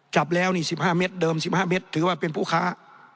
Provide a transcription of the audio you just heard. จับแล้วนี่สิบห้าเม็ดเดิมสิบห้าเม็ดถือว่าเป็นผู้ค้า